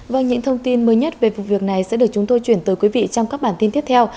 vâng những thông tin mới nhất về vụ việc này sẽ được chúng tôi chuyển tới quý vị trong các bản tin tiếp theo